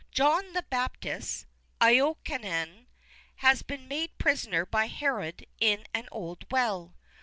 John the Baptist (Iokanaan) has been made prisoner by Herod in an old well.